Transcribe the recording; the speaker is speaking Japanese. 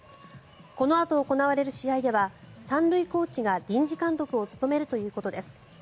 このあと行われる試合では３塁コーチが臨時監督を務めるということです。